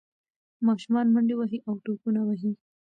ماشومان منډې وهي او ټوپونه وهي.